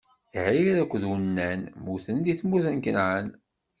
Ɛir akked Unan mmuten di tmurt n Kanɛan.